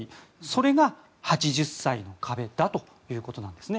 それが８０歳の壁だということなんです。